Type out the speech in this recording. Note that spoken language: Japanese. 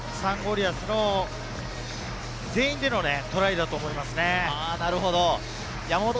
リアス全員でのトライだと思いますね。